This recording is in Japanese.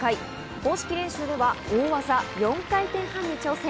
公式練習では大技４回転半に挑戦。